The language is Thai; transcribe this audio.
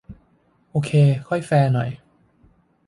โอเค ค่อยแฟร์หน่อย